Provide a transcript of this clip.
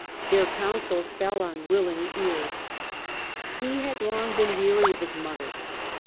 Their counsels fell on willing ears. He had long been weary of his mother.